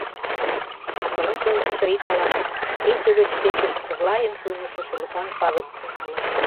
А тылеч ончыч Риталан кече гыч кечыш тыглайын шуйнышо шӱлыкан пагыт тӱҥалын.